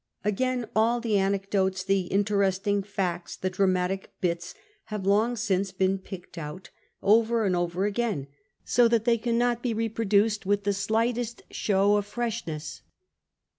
Again, all the anecdotes, the interesting facts, the dramatic bits, have long since been picked out, over and over again, so that they cannot be reproduced with the slightest show of freshness.